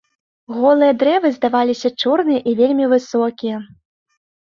Голыя дрэвы здаваліся чорныя і вельмі высокія.